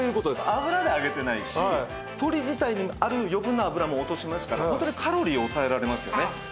油で揚げてないし鶏自体にある余分な脂も落としますからホントにカロリーを抑えられますよね。